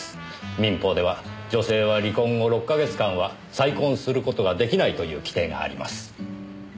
民法では女性は離婚後６か月間は再婚する事が出来ないという規定があります。